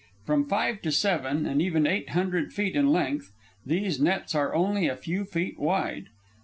From five to seven and even eight hundred feet in length, these nets are only a few feet wide.